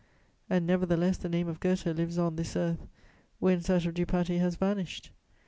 And nevertheless the name of Goethe lives on this earth whence that of Dupaty has vanished.